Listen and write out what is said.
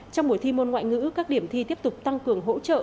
trong buổi thi môn ngoại ngữ các điểm thi tiếp tục tăng cường hỗ trợ